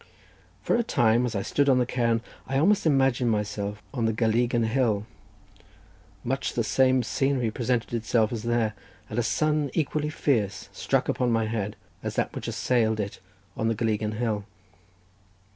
For a time, as I stood on the cairn, I almost imagined myself on the Gallegan hill; much the same scenery presented itself as there, and a sun equally fierce struck upon my head as that which assailed it on the Gallegan hill.